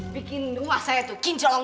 bikin ruah saya tuh kinclong